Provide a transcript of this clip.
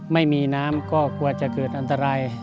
ไม่มีน้ำก็กลัวจะเกิดอันตราย